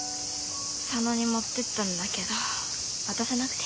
佐野に持ってったんだけど渡せなくて。